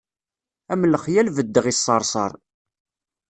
Am lexyal beddeɣ i ṣṣerṣer.